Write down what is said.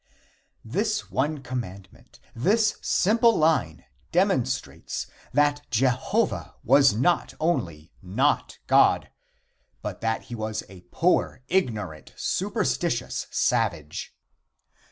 This one commandment this simple line demonstrates that Jehovah was not only not God, but that he was a poor, ignorant, superstitious savage.